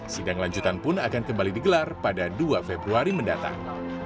sidang lanjutan pun akan kembali digelar pada dua februari mendatang